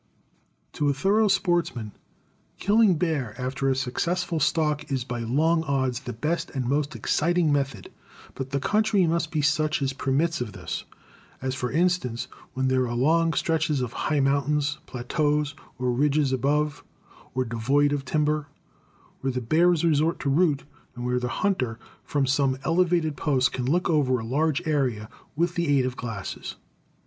To a thorough sportsman, killing bear after a successful stalk is by long odds the best and most exciting method, but the country must be such as permits of this, as, for instance, when there are long stretches of high mountains, plateaus or ridges above, or devoid of, timber, where the bears resort to root, and where the hunter from some elevated post can look over a large area with the aid of glasses.